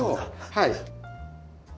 はい。